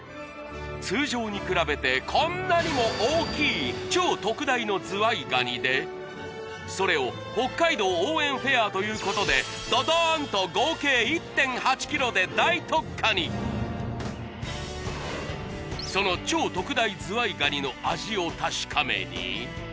通常に比べてこんなにも大きい超特大のズワイガニでそれを北海道応援フェアということでドドーンと合計１．８ｋｇで大特価にその超特大ズワイガニの味を確かめに